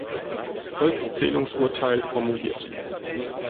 Volkszählungsurteil formuliert.